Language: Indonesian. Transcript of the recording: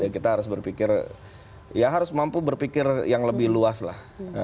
kita harus berpikir ya harus mampu berpikir yang lebih luas lah